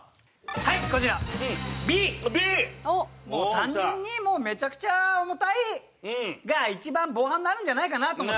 単純にもう「めちゃくちゃ重たい」が一番防犯になるんじゃないかなと思って。